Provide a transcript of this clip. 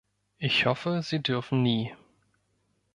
Ich hoffe, Sie dürfen nie.